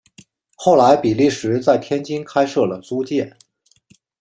后来比利时在天津开设了租界。